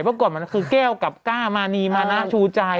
เพราะก่อนมันคือแก้วกับก้ามานีมานะชูใจ